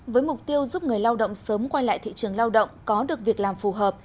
với mục tiêu giúp người lao động sớm quay lại thị trường lao động có được việc làm phù hợp